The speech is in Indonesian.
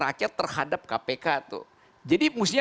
tapi itu sebenarnya sebenarnya adalah extraordinary crime